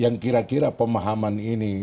yang kira kira pemahaman ini